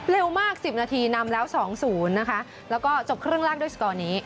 เร็วมาก๑๐นาทีนำแล้ว๒๐นะคะแล้วก็จบครึ่งล่างด้วยสกอร์นี้